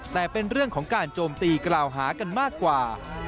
แต่เป็นเรื่องของการโจมตีกล่าวหากันมากกว่า